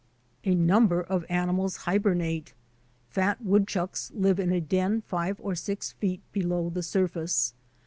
A number of animals hibernate. Fat wood chucks live in a den five or six feet below the sur face.